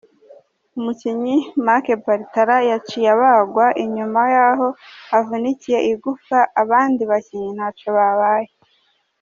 Umukinyi Marc Bartra yaciye abagwa inyuma yaho avunikiye igufa, abandi bakinyi ntaco babaye.